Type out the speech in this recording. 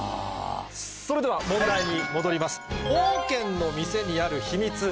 それでは問題に戻ります。